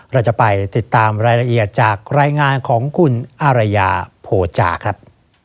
เราจะไปติดตามรายละเอียดจากรายงานของคุณอารยาโภจาครับ